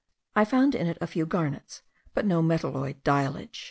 I found in it a few garnets, but no metaloid diallage.